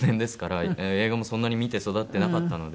映画もそんなに見て育ってなかったので。